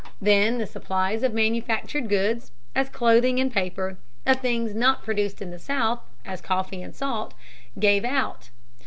Then the supplies of manufactured goods, as clothing and paper, of things not produced in the South, as coffee and salt, gave out.